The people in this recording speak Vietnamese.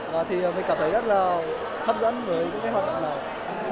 và mình cảm thấy rất là hấp dẫn với những hoạt động nào nào